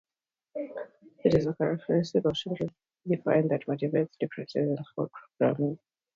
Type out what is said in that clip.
It is a characteristic of children, variously defined, that motivates differences in school programming.